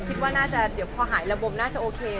คิดว่าน่าจะเดี๋ยวพอหายระบมน่าจะโอเค